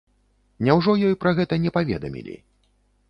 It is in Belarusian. Няўжо ёй пра гэта не паведамілі?